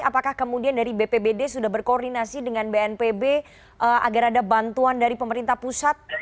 apakah kemudian dari bpbd sudah berkoordinasi dengan bnpb agar ada bantuan dari pemerintah pusat